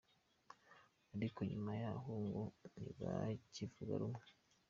Ariko nyuma y'aho ngo ntibakivuga rumwe.